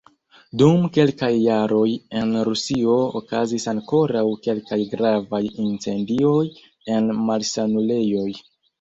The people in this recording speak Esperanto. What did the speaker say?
Dum kelkaj jaroj en Rusio okazis ankoraŭ kelkaj gravaj incendioj en malsanulejoj.